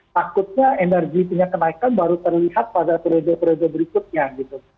takutnya energi punya kenaikan baru terlihat pada periode periode berikutnya gitu